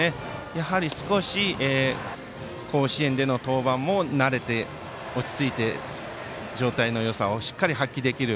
やはり少し甲子園での登板も慣れて落ち着いて、状態のよさをしっかり発揮できる。